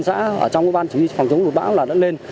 thân xã ở trong ủy ban chỉ huy phòng chống đột bão là đã lên